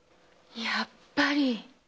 やっぱり！